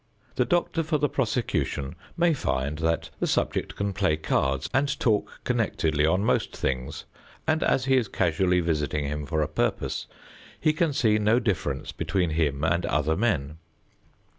The doctor for the prosecution may find that the subject can play cards and talk connectedly on most things, and as he is casually visiting him for a purpose, he can see no difference between him and other men.